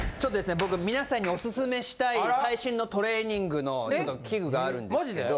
僕皆さんにおすすめしたい最新のトレーニングの器具があるんですけど。